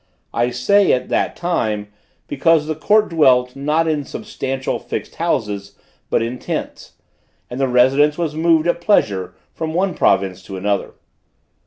I say at that time, because the court dwelt, not in substantial, fixed houses, but in tents; and the residence was moved at pleasure from one province to another.